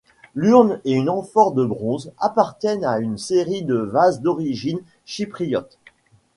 L'urne et une amphore de bronze appartiennent à une série de vases d'origine chypriote.